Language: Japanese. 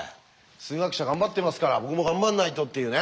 数学者頑張ってますから僕も頑張んないとっていうね。